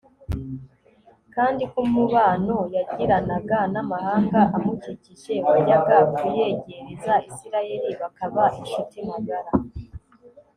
kandi ko umubano yagiranaga n'amahanga amukikije wajyaga kuyegereza isirayeli bakaba incuti magara